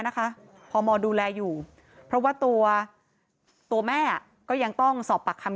นะคะพมดูแลอยู่เพราะว่าตัวตัวแม่ก็ยังต้องสอบปากคำ